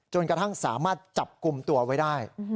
กระทั่งสามารถจับกลุ่มตัวไว้ได้